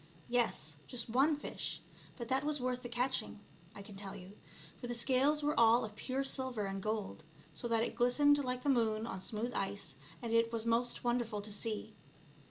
Yes ; just one fish, but that was worth the catching, I can tell you, for the scales were all of pure silver and gold, so that it glistened like the moon on smooth ice, and it was most wonderful to see.